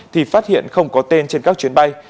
thì phát hiện không có tên trên các chuyến bay